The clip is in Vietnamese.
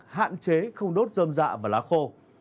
hạn chế không đốt dơm dạ và lá khô